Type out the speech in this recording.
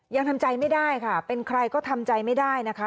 ยังทำใจไม่ได้ค่ะเป็นใครก็ทำใจไม่ได้นะคะ